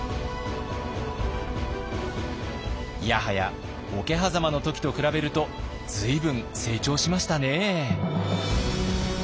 いやはや桶狭間の時と比べると随分成長しましたね。